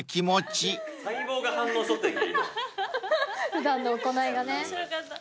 普段の行いがね。